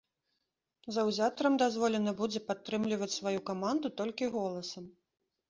Заўзятарам дазволена будзе падтрымліваць сваю каманду толькі голасам.